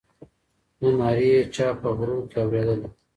نه نارې یې چا په غرو کي اورېدلې